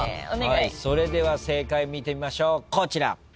それでは正解見てみましょうこちら。